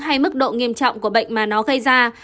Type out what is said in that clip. hay mức độ nghiêm trọng của bệnh mà nó gây ra